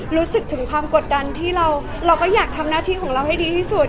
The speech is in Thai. รู้สึกถึงความกดดันที่เราก็อยากทำหน้าที่ของเราให้ดีที่สุด